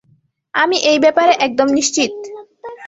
আমি এই ব্যাপারে একদম নিশ্চিত।